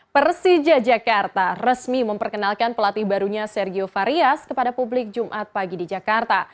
persija jakarta resmi memperkenalkan pelatih barunya sergio varias kepada publik jumat pagi di jakarta